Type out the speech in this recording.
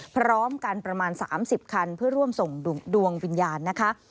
พร้อมกันประมาณ๓๐คันเพื่อร่วมส่งดวงวิญญาณนะคะ